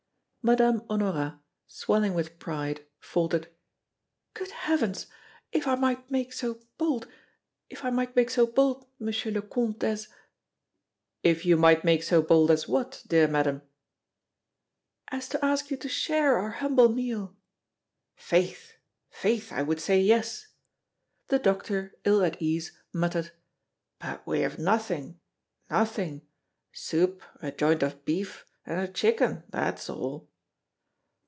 Madame Honorat, swelling with pride, faltered: "Good heavens! if I might make so bold if I might make so bold, Monsieur le Comte, as " "If you might make so bold as what, dear Madame?" "As to ask you to share our humble meal." "Faith faith, I would say 'yes.'" The doctor, ill at ease, muttered: "But we have nothing, nothing soup, a joint of beef, and a chicken, that's all!"